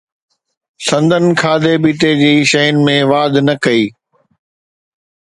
سندن کاڌي پيتي جي قيمتن ۾ واڌ نه ڪئي